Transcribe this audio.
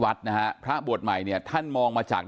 ฐานพระพุทธรูปทองคำ